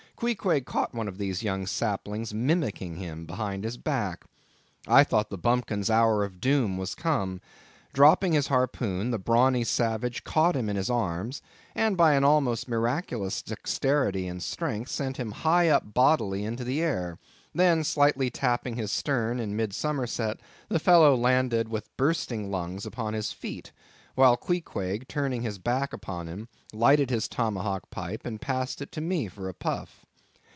Queequeg caught one of these young saplings mimicking him behind his back. I thought the bumpkin's hour of doom was come. Dropping his harpoon, the brawny savage caught him in his arms, and by an almost miraculous dexterity and strength, sent him high up bodily into the air; then slightly tapping his stern in mid somerset, the fellow landed with bursting lungs upon his feet, while Queequeg, turning his back upon him, lighted his tomahawk pipe and passed it to me for a puff.